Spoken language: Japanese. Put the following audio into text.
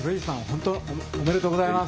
ほんとおめでとうございます。